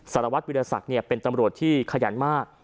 สารวัตรวิทยาศักดิ์เป็นตำรวจที่ขยันมาก